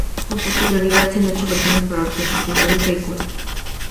Con posterioridad se han hecho versiones para orquesta sinfónica y coro.